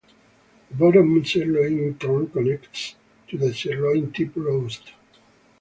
The bottom sirloin in turn connects to the sirloin tip roast.